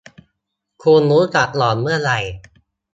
คุณรู้จักหล่อน เมื่อไหร่ ?